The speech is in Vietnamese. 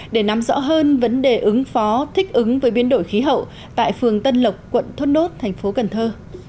để nắm rõ hơn vấn đề ứng phó thích ứng với biến đổi khí hậu tại phường tân lộc quận thốt nốt thành phố cần thơ